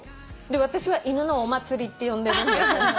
私は犬のお祭りって呼んでる。